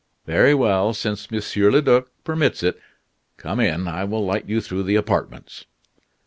"Very well, since Monsieur le Duc permits it. Come in, I will light you through the apartments."